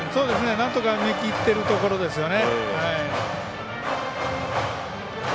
なんとか見切っているところですよね。